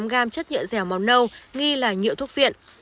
sáu mươi bảy tám g chất nhựa dẻo màu nâu nghi là nhựa thuốc viện